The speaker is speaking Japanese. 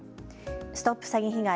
ＳＴＯＰ詐欺被害！